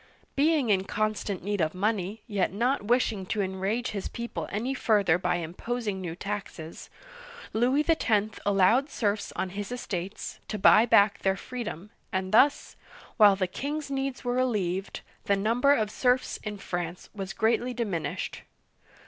Being in constant need of money, yet not wishing to enrage his people any further by imposing new taxes, Louis X. allowed serfs on his estates to buy back their freedom, and thus, while the king's needs were relieved, the number of s'erfs in France was greatly diminished.